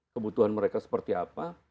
kebutuhan mereka seperti apa